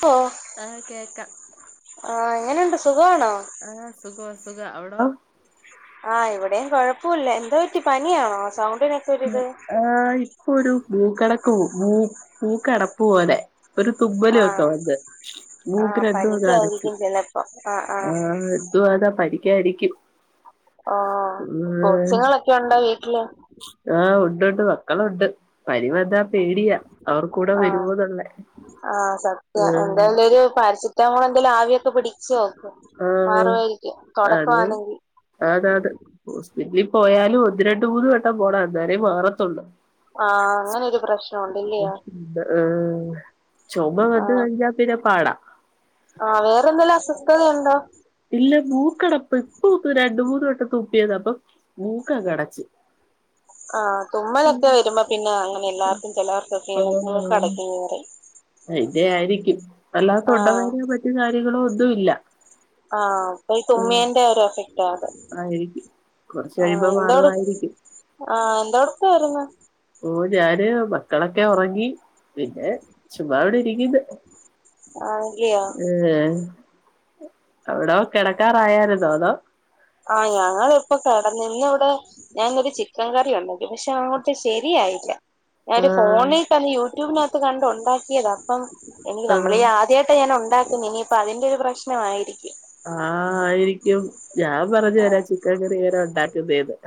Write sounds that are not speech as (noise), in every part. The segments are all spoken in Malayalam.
ട്ടോ ആഹ് കേക്കാം എങ്ങനെയുണ്ട് സുഖമാണോ ആഹ് സുഖോ സുഖാ അവിടോ ആഹ് ഇവിടെയും കാെഴപ്പവുല്ല എന്തു പറ്റി പനിയാണോ സൗണ്ടിന് ആഹ് ഇപ്പൊഒരു മുക്കടക്കൂ മൂ മുക്കടപ്പ് പോലെ ഒരു ആ തുമ്മലൊക്കെ വന്ന് ആ മൂക്ക് രണ്ടും ഒക്കെ അടച്ച് പനിക്കായിരിക്കും ചിലപ്പോ ആ ആ ആഹ് ഇതു പോലെ പഠിക്കായിരിക്കും ക്കെയുണ്ടാേ വീട്ടില് ആഹ് ഉണ്ടുണ്ട് മക്കളുണ്ട് പനി വന്നാ പേടിയാ അവർകൂടെ ആ വരുവോ ന്ന്ള്ള പാരസെറ്റാമോൾ എന്തെലും ആവിയൊക്കെ പിടിച്ചോക്ക് ആഹ് അത് ആന്ന് അന്ന് ഹോസ്പിറ്റലീ പോയാലും ഒന്ന് രണ്ട് മൂന്ന് വട്ടം പോണം എന്നാലേ മാറത്താെള്ളൂ ആ അങ്ങനെ ഒരു പ്രശ്നമുണ്ടല്ലയോ അആഹ് ചൊമ വന്ന് കഴിഞ്ഞാ പി പിന്നെ പാടാ ആഹ് വേറെന്തേലും അസ്വസ്ഥത ഉണ്ടോ ഇല്ല മൂക്കടപ്പ് ഇപ്പൊ ഒന്ന് രണ്ട് മൂന്ന് വട്ടം തുമ്പിയതാ അപ്പം മൂക്ക് ആകെ അടച്ച് ആഹ് തുമ്മലൊക്കെ വരുമ്പോ പിന്നെ അങ്ങനെ എല്ലാർക്കും ചെലവർക്കാെക്കെ ഇങ്ങനെ മൂക്കടക്കുംന്ന് പറിം അയ്ന്റെ ആയിരിക്കും അല്ലാതെ ആ തൊണ്ടവേദനയോ മറ്റു കാര്യങ്ങളോ ഒന്നും ഇല്ല ആഹ് അപ്പൊ തുമ്മിയെന്റെ ഒരു എഫക്റ്റ് ക്കാരം ആയിരിക്കും കുറച്ച് ആഹ് കഴിയുമ്പോ എന്താട്‌ മാറുമായിരിക്കും ആഹ് എന്തോട്ക്കുവായിരുന്നു ഓഹ് ഞാന് മക്കളൊക്കെ ഒറങ്ങി പിന്നെ ചുമ്മാ ഇവിടെ ഇരിക്കുന്ന് ആഹ് ഇഡ്ലിയോ ഏഹ് അവ്ടെ കെടക്കാറായാര്ന്നോ അതോ ആഹ് ഞങ്ങളിപ്പൊ കെടന്നു ഇഞ് ഇവിടെ ഞാനൊരു ചിക്കൻ കറി ഉണ്ടാക്കി പക്ഷെ അങ്ങോട്ട് ശരിയായില്ല ഞാന ഒരു ആഹ് ഫോണിലട്ട യൂട്യൂബിനകത്ത് കണ്ട ഉണ്ടാക്കിയത് അപ്പം എനിക്ക് നമ്മൾ ആഹ് ഈ ആദ്യയിട്ട് ഞാൻ ഉണ്ടാക്കുന്ന ഇനിയിപ്പ അതിന്റെ ഒരു പ്രശ്നമായിരിക്കും ആഹ് യിരിക്കും ഞാൻ പറഞ്ഞു തരാ ചിക്കൻ കറി എങ്ങനെയാ ഉണ്ടാക്കുന്നേന്ന്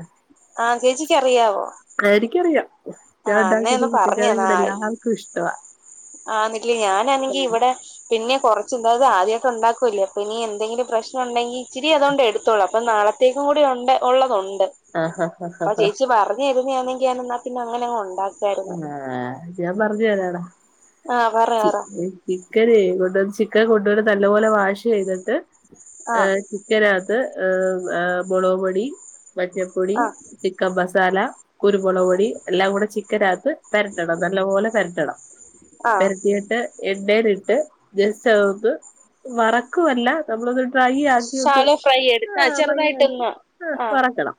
ആഹ് ചേച്ചിക്ക് അറിയാവോ എനരിക്കുംറിയാംഞാൻ ആഹ് അന്നേ ഉണ്ടാക്കുന്ന ഒന്ന് കൂട്ടിക്കറി ഇവിടെ പറഞ്ഞന്നാ എല്ലാർക്കും ഇഷ്ടവാ ആന്നില്ലേ ഞാനാണെങ്കി ഇവിടെ പിന്നെ കുറച്ച് എന്തായത് ആദ്യമായിട്ട് ഉണ്ടാക്കൂല്ലേ അപ്പൊ ഇനി എന്തെങ്കിലും പ്രശ്നം ഉണ്ടെങ്കി ഇച്ചരി അതുകണ്ട്ടുത്തോളൂ അപ്പ നാളെ കൂടി ഉണ്ട് ഉള്ളതുണ്ട് ആഹ് ഹ ഹ ഹ അപ്പൊ ഹ ചേച്ചി പറഞ്ഞ തരുന്നാണെങ്കി എന്നാ പിന്നെ അങ്ങനെ ഉണ്ടാക്ക ആഹ് ഞാൻ പറഞ്ഞു തരാടാ ആഹ് പറ പറ ചിക്കന കൊണ്ട ചിക്കൻ കൊണ്ട പോല നല്ല പോലെ വാഷ് യ്തിട്ട് ആഹ് ചിക്കനകത്ത് മുളക് പൊടി മഞ്ഞപ്പൊടി ആഹ് ചിക്കൻ മസാല കുരുമുളക് പൊടി എല്ലാം കൂടെ ചിക്കനകത്ത് പരട്ടണം നല്ലപോലെ പരട്ടണം ആഹ് പെരട്ടു ട്ട് എണ്ണയില ഇട്ട് ജസ്റ്റ് ഒന്ന് വറക്കുവല്ല നമ്മളത് ട്രൈ ആക്കി ഒന്ന് ശാലോ ഫ്രൈ എടുത്ത് ആ ആഹ് ട്രൈ ആക്കി ചെറുതായിട്ടൊന്ന് ആ ആഹ് വറുക്കണം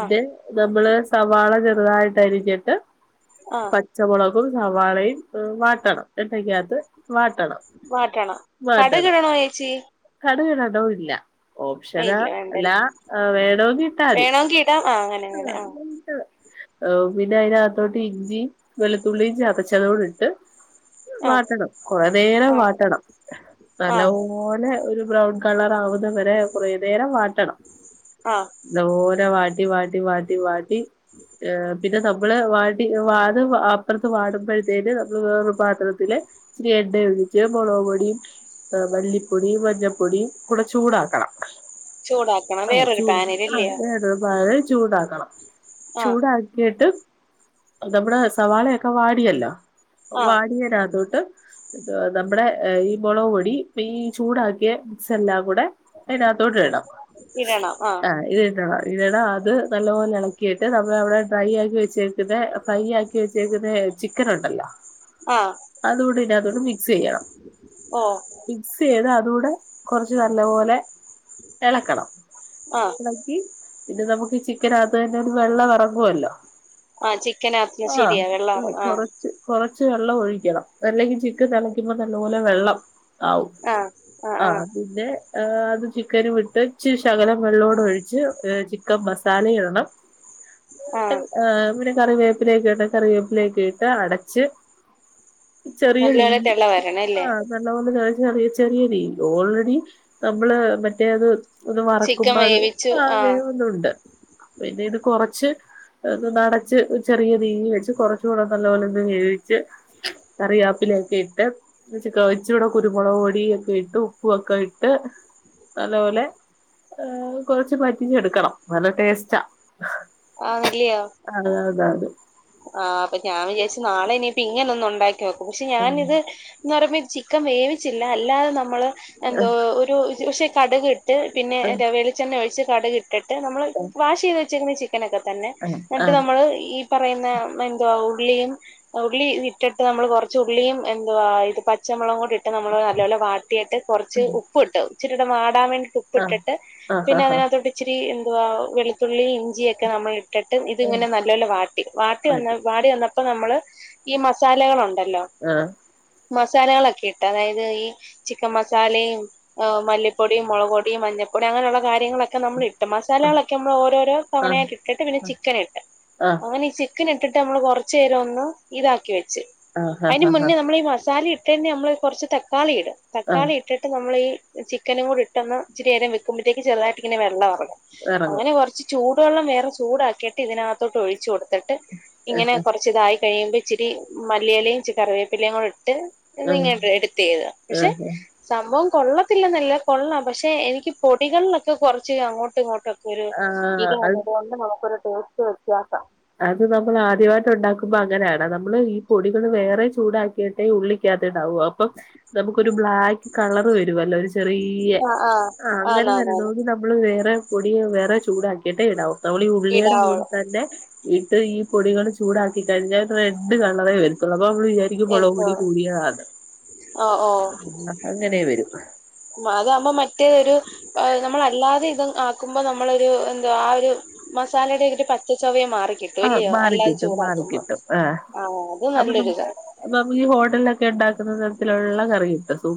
ആഹ് നമ്മള് സവാള ചെറുതായിട്ട അരിഞ്ഞിട്ട് ആഹ് പച്ചമുളക്കും സവാളയും വാട്ടണം എണ്ണക്കകത്ത് വാട്ടണം വാട്ടണം വാട്ടണം കടുകിടണോ ചേച്ചി കടുക് ഇടണോ ഇല്ല ഓപ്ഷന ഇല്ല അല്ല വേണ്ടല്ലേ വേണക്കിട്ടാ മതി ആ ആഹ് എ (unintelligible) പിന്നെ അയിനകത്തോട്ട് ഇഞ്ചിയും വെളുത്തുള്ളിയും ചതച്ചതോട്‌ ഇട്ട് ആഹ് വാട്ടണം കുറെ നേരം ആഹ് വാട്ടണം ആഹ് നല്ലപോലെ ഒരു ബ്രൗൺ കളറാവുന്ന വരെ കുറ നേരം വാട്ടണം ആഹ് നല്ലതുപോലെ വാട്ടി വാട്ടി വാട്ടി വാട്ടി വാട്ടി പിന്നെ നമ്മള് വാട്ടി വാടും അപ്പുറത്ത് വാടുമ്പോഴത്തേന് നമ്മള് വേറരൂ പാത്രത്തില് ഇത്തിരി എണ്ണയും ഒഴിച്ച് മുളക് പൊടിയും മല്ലിപ്പൊടിയും മഞ്ഞപ്പൊടിയും കൂടെ ചൂടാക്കണം ചൂടാക്കണം ആഹ് വേറൊരു ചൂട് ആഹ് പാനിലല്ലയോ എ ബാ ചൂടാക്കണം ആഹ് ചൂടാക്കിട്ട് നമ്മുടെ സവാളയൊക്കെ വാടിയല്ലോ ആഹ് വാടിയതിനത്തോട്ട് നമ്മുടെ ഈ മുളക് പൊടി ഈ ചൂടാക്കിയ മിക്സെല്ലാം കൂടെ അതിനകത്തോട്ട് ഇടാം ഇടണം ആഹ് ആ ഇത്ട്ടട ഇടണം ഇത് നല്ലപോലെ ഇളക്കിട്ട് നമ്മൾ അവിടെ ഡ്രൈ ആക്കി വെച്ചേക്കന്നാ ഫ്രൈ ആക്കി വച്ചേക്കുന്ന ചിക്ക് ചിക്കൻ ഉണ്ടല്ലോ ആഹ് അതുകൂടെ ഇതിനകത്ത് മിക്സ് ചെയ്യണം ഓ മിക്സ്യ്ത് അതൂടെ കുറച്ച് നല്ല പോലെ ഇളക്കണം ആഹ് പി പിന്നെ നമുക്ക് ഈ ചിക്കൻ അകത്തു തന്നെ ഒരു വെള്ളം ഇറങ്ങുവല്ലോ ആഹ് ചിക്കനപ്പ ആഹ് ശരിയാ വെള്ളറ ആഹ് കുറച്ച് കുറച്ച് വെള്ളം ഒഴിക്കണം അല്ലെങ്കി ചിക്കൻ തിളക്കുമ്പോ നല്ലപോലെ വെള്ളം ആവും ആഹ് പിന്നെ ആഹ് അത് ചിക്കന് വിട്ടേച്ച് ശകലം വെള്ളോടെ ഒഴിച്ച് ചിക്കൻ മസാ മസാല ഇടണം ആഹ് പിന്നെ കറിവേപ്പിലക്കെ ഇട്ട് കറിവേപ്പിലക്കെഇട്ട് അടച്ച് ചെറിയ നല്ലോലെ (unintelligible) തെള വരണല്ലേ നല്ല പോലെ കറിയ ചെറിയല്ല ഓൾറെഡി നമ്മള് മറ്റേത് ഒന്ന് ചിക്കൻ മറക്കുമ്പോ അത് വേവിച്ചു ആഹ് അങ്ങെയ ഒന്നുംണ്ട് പിന്നെ ഇത് കൊറച്ച് അടച്ച് ചെറിയ രീതിൽ വെച്ച് കൊറച്ചു കൂടെ നല്ല പോലെന്ന് വേവിച്ച് കറിയാപ്പിലെക്കെ ഇട്ട് (unintelligible) ഇച്ച് ഇവടെ കുരുമുളക് പൊടിയൊക്കെ ഇട്ട് ഉപ്പ് ഒക്കെ ഇട്ട് നല്ലപോലെ ഏ കൊറച്ച് പറ്റിഞ്ഞെടുക്കണം നല്ല ടേസ്റ്റാ ആ വരിയോ (unintelligible) ആ അപ്പൊ ഞാൻ വിചാരിച്ച് നാളെ ഇനി പിന്നൊന്ന്ന്നുണ്ടാക്കി നോക്കു ക്ഷെ ആഹ് ഞാനിത് ഞ്ഞി ഓരോ പീസ് ചിക്കൻ വേവിച്ചില്ല അല്ലാതെ നമ്മള് എന്തോ ഒരു പക്ഷെ കടുക് ഇ ട്ട് പിന്നെ ആഹ് വെളിച്ചെണ്ണ ഒഴിച്ച് കടുക് ഇട്ടിട്ട് നമ്മൾ വാഷ് ചെയ്ത് വെച്ചേക്കുന്ന ചിക് ങ്ങെനൊക്കെ തന്നെ ആഹ് എന്നിട്ട് ആഹ് നമ്മള് ഈ പറയുന്ന നേം എന്തോ ഉള്ളിയും ഉള്ളി ഇട്ടിട്ട് നമ്മള് കൊറച്ച് ഉള്ളിയും എന്തുവാ ഇത് പ ച്ചമുളകും കൂടി ഇട്ട് നമ്മള് നല്ലോലെ വാട്ടിയിട്ട് കുറച്ച് ഉപ്പ് ഇട്ടു ഇച്ചിരിടെ വാടാൻ വേണ്ടിട്ട് ഉ ആഹ് ഉപ്പിട്ടിട്ട് ആഹ് പിന്നെ ആഹ് അതിനകത്തോട്ട് ഇച്ചിരി എന്തുവാ വെളുത്തുള്ളി ഇഞ്ചിയൊക്കെ നമ്മൾ ഇട്ടിട്ട് ആഹ് ഇതിങ്ങനെ നല്ലോലെ വാട്ടി വാട്ടി വന്ന ആഹ് വാടി വന്നപ്പോ നമ്മള് ഈ മസാലകൾ ഒണ്ടല്ലോ ആ മസാലകളൊക്കെയിട്ട് അതായത് ഈ ചിക്കൻ മസാലയും ഹ് മല്ലിപ്പൊടിയും മൊളക് പൊടിയും മഞ്ഞപ്പൊടിയും അങ്ങനെയുള്ള കാര്യങ്ങളൊ ക്കെ നമ്മളിട്ടു മസാലകളൊക്കെ നമ്മള് ഓരോരോ ആഹ് തവണയായി ഇട്ടിട്ട് പിന്നെ ചിക്കൻ ഇട്ട് ആഹ് അങ്ങനെ ഈ ചി ക്കനിട്ടിട്ട് നമ്മള് കൊറച്ചേരൊന്ന് ഇതാക്കി വെച്ച് അതിന് ആഹ് ആഹ് മുന്നേ നമ്മള് ഈ മസാല ഇ ട്ടേണ്ട് നമ്മളൊരു കൊറച്ച് തക്കാളി ഇടും ആഹ് തക്കാളി ഇ ഇട്ടിട്ട് നമ്മളീ ചിക്കനും കൂടി ഇട്ട്ന്ന് ഇച്ചിരി നേരം വെക്കുമ്പഴത്തേക്ക് ചെറുതായിട്ട് ഇങ്ങനെ വെള്ളം എറങ്ങും എറങ്ങും അങ്ങനെ കൊറച്ച് ചൂടുവെള്ളം വേറെ ചൂടാക്കിയിട്ട് ഇതിനകത്തോട്ട് ഒഴിച്ചു കൊടു ട്ട് ഇങ്ങനെ കൊറച്ച് ഇതായി കഴിയുമ്പോ ഇച്ചിരി മല്ലിയെലയും ഇച്ചിരി കറിവേപ്പിലയും കൂടി ഇട്ട് എന്നിങ്ങനെ (unintelligible) പക്ഷെ ആഹ് സംഭവം കൊള്ളത്തില്ലെന്നല്ല കൊള്ളാം പക്ഷെ എനിക്ക് പൊടികളിലൊക്കെ കൊറച്ച് അങ്ങോട്ടും ഇങ്ങോട്ടും ഒരു ഇത് അത് വന്നത് കൊണ്ട് നമുക്കൊരു ടേസ്റ്റ് വ്യത്യാസ അത് നമ്മള് ആദ്യവായിട്ട് ഒണ്ടാക്കുമ്പോ അങ്ങനെയാണ് നമ്മള് ഈ പൊടികൾ വേറെ ചൂടാക്കിയിട്ടെ ഉള്ളി ക്കകത്തിടാവൂ അപ്പൊ നമുക്കൊരു ബ്ലാക്ക് കളർ വരുവല്ലോ ഒരു ചെറിയ ആ അങ്ങനെ ആന്നാന്നാന്ന് വരണോങ്കിലൊ നമ്മള് വേറെ പൊടിയോ വേറെ ചൂടാക്കിയിട്ടേ ഇടാവു തോളീ ഉള്ളിയുടെ കൂടെ ഇടാവോളൂ തന്നെ ഇട്ട് ഈ പൊടികള് ചൂടാക്കി കഴിഞ്ഞാൽ റെഡ് കളറെ വരുത്തുള്ളൂ അപ്പൊ നമ്മള് വിചാ ഇത് മൊളക് പൊടി എടുത്തോളൂ കൂടിയാത് ഓ ഓ അങ്ങനെ വരും വാതാവുമ്പോ മറ്റേരു അഹ് നമ്മളല്ലാതെ ഇത് ആക്കുമ്പോ നമ്മളൊരു എന്താ ആ ഒരു മസാലയുടെ ഒരു പച്ചച്ചുവയും മാറിക്കി ആഹ് ട്ടൊരുയോ അല്ലാതെ മാറിക്കിട്ടും ചൂടാക്കുമ്പൊ മാറിക്കിട്ടും ആഹ് ആ അത് നല്ലൊരുതാ അപ്പൊ നമുക്കീ ഹോട്ടലിലൊക്കെ ഒണ്ടാക്കുന്ന തരത്തിലുള്ള കറികിട്ടും സൂ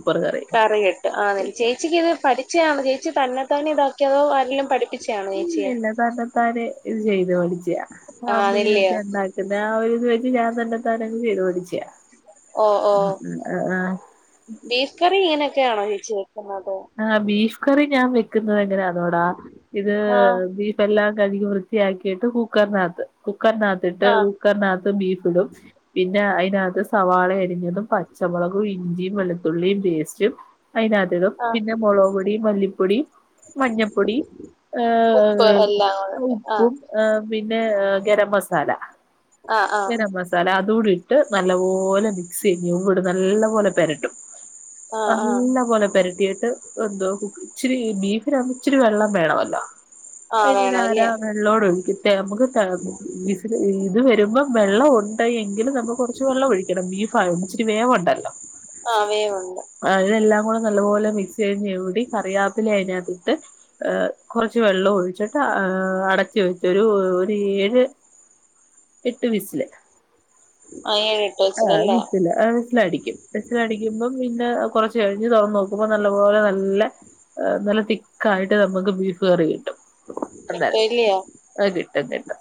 കറികിട്ടും ആ ചേച്ചിക്കിത് പഠിച്ചെയാണ് ചേച്ചി തന്നെത്താനെ ഇതാക്കിയതോ ആരെലും പഠിപ്പി ച്ചാണേ ഇല്ല ചേച്ചിയെ ഇല്ല തന്നെത്താനെ ഇത് ചെയ്ത് പഠിച്ചാ ആ നെല്ലിയോ (unintelligible) പിന്നെ ആ ഒരിത് വെച്ച് ഞാൻ തന്നെത്താനങ്ങ് ചെയ്തു പഠിച്ചാ ഓ ഓ ബീഫ് കറി ഇങ്ങനെയൊക്കെയണോ ചേച്ചി വെക്കുന്നത് ആ ബീഫ് കറി ഞാൻ വെക്കുന്നത് എങ്ങനെയാന്നോടാ ഇത് ആ ബീഫ് ഫെല്ലാം കഴുകി വൃത്തിയാക്കിയിട്ട് കുക്കറിനകത്ത് കുക്കറിനകത്തിട്ട് ആ കുക്കറിനകത്ത് ബീഫ് ഇടും പിന്നെ അയിനകത്ത് സവാള അരിഞ്ഞതും പച്ചമുളകും ഇഞ്ചി വെളുത്തുള്ളി പേസ്റ്റ് റ്റും അതിനകത്തിടും ആ പിന്നെ മുളക് പൊടി മല്ലിപ്പൊടി മഞ്ഞപ്പൊടി ഉപ്പ് ഏഹ് എല്ലാം കൂടെ ആ ഉപ്പും ഏഹ് പിന്നെ ഗരം മസാല ആ ആ ഗരം മസാല അതൂടി ട്ട് നല്ല പോലെ മിക്സ്ചെയ്യും ന്നട്ട് നല്ല പോലെ പെരട്ടും ആ ആ നല്ല പോലെ പെര എന്തോ ഇച്ചിരി ബീഫിനാവുമ്പോ ഇച്ചിരി വെള്ളം വേണമല്ലോ ആ അതിനിന് വേണം അല്ലേ ആരാ വെള്ളോട് ഒഴിക്കും നമുക്ക് വി ഇത് വരുമ്പോ വെള്ളം ഒ എങ്കിലും നമ്മ കുറച്ച് വെള്ളം ഒഴിക്കണം ബീഫായൊണ്ട് ഇച്ചരി വേവുണ്ടല്ലോ ആഹ് വേവുണ്ട് അതെല്ലാം കൂടെ നല്ലപോലെ മിക്സ് ചെയ്തുടി കറിയാപ്പില അതിനകത്തിട്ട് ഏഹ് കുറച്ച് വെള്ളം ഒഴിച്ചിട്ട് അടച്ച് വെച്ച് ഒരു ഒരു ഏഴ് എട്ട് വിസില് ആ ഏഴെട്ട് ആഹ് വിസിലല്ലേ വിസില വിസിലടിക്കും വിസിലടിക്കുമ്പം പിന്നെ കൊറച്ച് കഴിഞ്ഞ് തുറന്നു നോക്കുമ്പോ നല്ല പോലെ നല്ല നല്ല തിക്കായിട്ട് നമുക്ക് ബീഫ് കറി കിട്ടും അതെ ഇല്ലിയോ ആഹ് കിട്ടും കേട്ടോ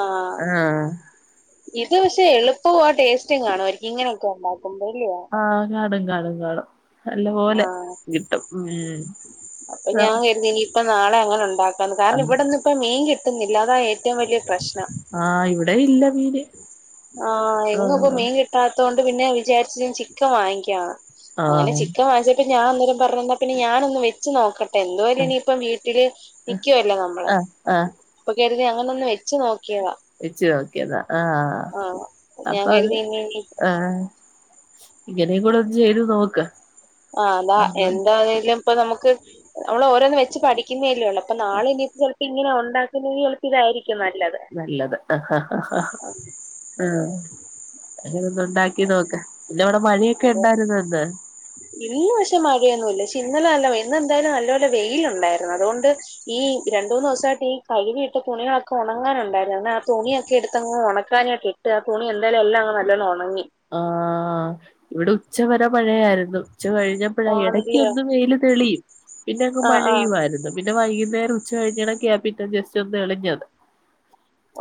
ആഹ് ഇത് പക്ഷെ എളുപ്പവും ആ ടേസ്റ്റും കാണുമായിരിക്കും ഇങ്ങനെയൊക്കെ ഉണ്ടാക്കുമ്പോ ഇല്ല്യേ ആഹ് കാണും കാണും കാണും നല്ലപോലെ ആഹ് കിട്ടും അപ്പം നാളെ അങ്ങനെ ഉണ്ടാക്കന്ന് കാരണം ഇവിടെന്നും ഇപ്പ മീൻ കിട്ടുന്നില്ല അതാ ഏറ്റവും വലിയ പ്രശ്നം ആഹ് ഇവിടേം ഇല്ല മീന് ആഹ് എങ്ങും ഇപ്പൊ ആഹ് മീൻ കിട്ടാത്ത കൊണ്ട് പിന്നെ വിചാരിച്ച് ചിക്കൻ വാങ്ങിക്കാന്ന് അങ്ങനെ ആഹ് ചിക്കൻ വാങ്ങിചിട്ട് ഞാൻ അന്നേരം പറഞ്ഞു ന്നാ പിന്നെ ഞാൻ ഒന്ന് വെച്ച് നോക്ക എന്തുവായാലും ആഹ് ഇനിയിപ്പം വീട്ടില് നിക്കുവല്ലേ നമ്മള് ആഹ് ആഹ് അപ്പൊ കരുതി അങ്ങനെയൊന്ന് വെച്ച് നോക്കിയതാ വെച്ച് നോക്കിയതാ ആഹ് ആഹ് ഞാൻ അപ്പൊ അത് കരുതി ഇനി ആഹ് ഇങ്ങനെയും കൂടെ ഒന്ന് ചെയ്തു നോക്ക് ആഹ് അതാ എന്താന്നേലും ഇപ്പൊ നമുക്ക് നമ്മൾ ഓരോന്ന് വെച്ച് പഠിക്കുന്നേല്ലേ ഉള്ളു അപ്പൊ നാളെ ഇനി ചിലപ്പോ ഇങ്ങനെ ഉണ്ടാക്കുന്നെങ്കിൽ ചിലപ്പ ഇതായിരിക്കും നല്ലത് നല്ലത് അഹാ ഹാ ഹാ ആഹ് അങ്ങനെ ഒന്ന് ഉണ്ടാക്കി നോക്ക് പിന്നവിടെ മഴയൊക്കെ അത് ഉണ്ടായിരുന്നൊ ഇന്ന് ഇന്ന് പക്ഷെ മഴയൊന്നുല്ല പക്ഷെ ഇന്നലെ നല്ല വെയിൽ ഇന്ന് എന്തായാലും നല്ലപോലെ വെയിലുണ്ടായിരുന്നു അതുകൊണ്ട് ഈ രണ്ട് മൂന്ന് ദിവസമായിട്ട് ഈ കഴുവിയിട്ട തുണികളക്കെ ഉണങ്ങാനുണ്ടായിരുന്നു അന്ന് ആ തുണിയൊക്കെ എടുത്തങ്ങ് ഉണക്കാനൊക്കെ ട്ട് ആ തുണിന്തായാലും എല്ലാം അങ് നല്ല പോലെ ഉണങ്ങി ആഹ് ഇവിടെ ഉച്ചവരെ മഴയായിരുന്നു ഉച്ച കഴി ഞ്ഞപ്പഴ എടക്ക് ആണല്ലിയോ ഒന്ന് വെയിൽ തെളിയും പിന്നെ അങ് ആഹ് ആഹ് മഴയുവായിരുന്നു പിന്നെ വൈകുന്നേരം ഉച്ച കഴിഞ്ഞണക്കയാ ജസ്റ്റ് ഒന്ന് തെളിഞ്ഞത്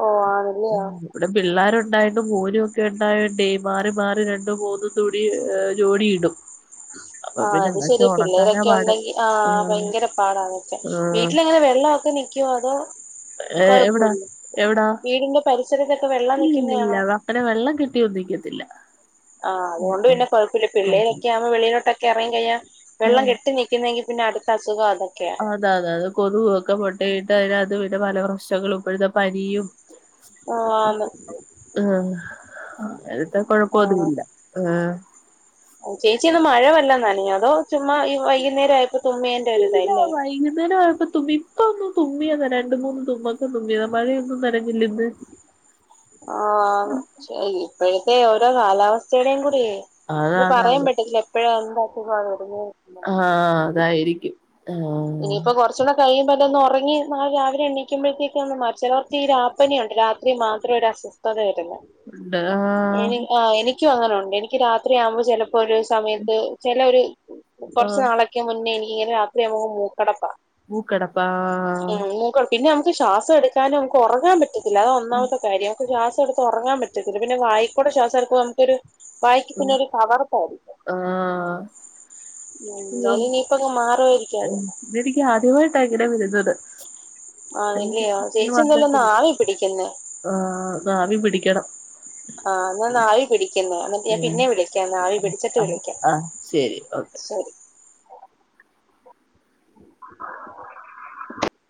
ഓഹ് ആണല്ലേ ഉം ഇവിടെ പിള്ളേരുണ്ടായിട്ടും മോനും ഒക്കെ ഉണ്ടായൊണ്ടേ മാറി മാറി രണ്ടും മൂന്നോ തുണി ജോഡിയിടും ആഹ് അത് ശെരി പിള്ളേരൊക്കെ പാട് ഉണ്ടെങ്കിൽ ആഹ് ഭയങ്കര പാടാതൊക്കെ ആഹ് വീട്ടിലെങ്ങനെ വെള്ളവൊക്കെ നിക്കുവോ അതോ ഏഹ് എവിടാ കൊഴപ്പോല്ലേ എവിടാ വീടിന്റെ പരിസരത്തൊക്കെ വെള്ളം ഇല്ലില്ലില്ല നിക്കുന്നെയാണോ? അങ്ങനെ വെള്ളം കെട്ടിയൊന്നും നിക്കത്തില്ല ആഹ് അതുകൊണ്ട് പിന്നെ കുഴപ്പമില്ല പിള്ളേരൊക്കെ ആവുമ്പ വെളിലോട്ടൊക്കെ എറങ്ങി കഴിഞ്ഞ ആഹ് വെള്ളം കെട്ടി നിക്ക നിക്കുന്നെങ്കിൽ പിന്നെ അടുത്ത അസുഖം അതൊക്കെയാ അതെ അതെ അത് കൊതുകൊക്കെ മൊട്ടയിട്ട് അതിനകത്ത് പിന്നെ പല പ്രശ്നങ്ങും ഇപ്പഴത്തെ പനിയും ആന്ന് ആഹ് ആഹ് കൊഴപ്പൊന്നുല്ല ആഹ് ചേച്ചി ഒന്ന് മഴ വല്ലോ നനഞ്ഞോ അതോ ചുമ്മാ ഈ വൈകുന്നേരം ആയപ്പോ തുമ്മേന്റെ ഒരിത അല്ലേ വൈകുന്നേരം ആഴപ്പം തുമ്മി ഇപ്പ ഒന്നും തുമ്മിയതാ രണ്ട് മൂന്ന് തുമ്മക്കെ തുമ്മിയതാ മഴയൊന്നും നനഞ്ഞില്ല ഇന്ന് ആഹ് ഇപ്പഴത്തെ ഓരോ കാലാവസ്ഥയുടെയും കൂടിയേ ഇത് പറയാൻ അതാണത് പറ്റത്തില്ല എപ്പഴാ എന്താ (unintelligible) ആഹ് അതായിരിക്കും ആഹ് ഇനിയിപ്പൊ കൊറച്ച് ച്ചൂടേ കഴിയുമ്പോ അതൊന്ന് ഒറങ്ങി നാള രാവിലെ എണുമ്പഴത്തേക്ക് മാ ചെലർക്കീ ഈ രാപ്പനുണ്ട് രാത്രി മാത്രം ഒരു അസു ത്തതേവരുന്ന ഉണ്ട് എനി ആഹ് ആഹ് എനിക്കും അങ്ങനെ ഉണ്ട് എനിക്ക് രാത്രിയാവുമ്പോ ചെലപ്പോ ഒരു സമയത്ത് ചെലേ ഒരു കൊറച്ചു ആഹ് നാളൊക്കെ മുന്നേ എനിക്ക്ങ്ങനെ രാത്രിയാവുമ്പ മൂക്കടപ്പാ മൂക്കടപ്പാ ഉം മൂക്കട പിന്നെ നമുക്ക് ശ്വാസം എടുക്കാനോ നമുക്ക് ഒറങ്ങാൻ പറ്റ് പറ്റത്തില്ല അത് ഒന്നാമത്തെ കാര്യംമക്ക് ശ്വാസംടുത്ത് ഒറങ്ങാൻ പറ്റത്തില്ല പിന്നെ വായിക്കുടെ ശ്വാസ എടുക്കുമ്പമ്മക്കൊരു വായിക്ക ഉം പിന്നെ ഒരു കവർപ്പായിരിക്കും ആഹ് എന്തയലു. ഇനി ഇപ്പൊക്ക മാറുവയിരിക്കും. ഉം ഇതെനിക്ക് ആദ്യവായിട്ട ങ്ങനേ വരുന്നത് ആണല്ലിയോ (unintelligible) എ ചേച്ചി എന്തായാലും ഒന്ന് വന്നിട്ടില്ല ആവി പിടിക്കുന്നേ ആഹ് ആവി പിടിക്കണം ആഹ് എന്നാ ന്ന് ആവി പിടിക്കെന്ന എന്നിട്ട് ഞാൻ ഉം പിന്നെ വിളിക്കാം ആവി പിടിച്ചിട്ട് ആഹ് വിളിക്കാം ആഹ് ശരി ഓക്കെ ശരി.